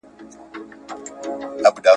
هيڅ مخلوق نسي کولای څوک بدمرغه کړي.